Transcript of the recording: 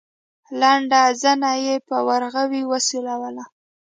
لنډه زنه يې په ورغوي وسولوله.